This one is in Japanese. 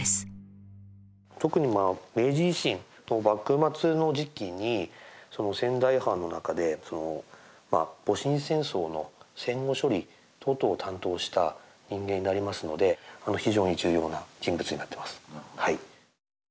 特に明治維新と幕末の時期に仙台藩の中で戊辰戦争の戦後処理等々を担当した人間になりますので非常に重要な人物になってます。